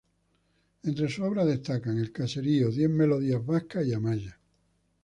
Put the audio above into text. Entre sus obras destacan "El caserío", "Diez melodías vascas" y "Amaya".